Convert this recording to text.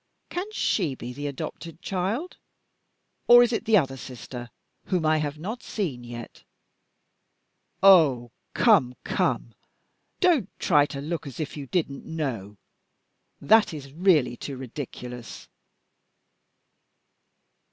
Can she be the adopted child? Or is it the other sister, whom I have not seen yet? Oh, come! come! Don't try to look as if you didn't know. That is really too ridiculous."